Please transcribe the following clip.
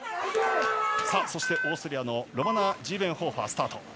そして、オーストリアのロマナ・ジーベンホーファー。